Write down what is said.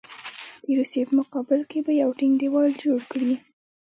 د روسیې په مقابل کې به یو ټینګ دېوال جوړ کړي.